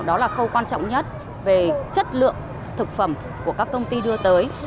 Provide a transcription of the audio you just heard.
đó là khâu quan trọng nhất về chất lượng thực phẩm của các công ty đưa tới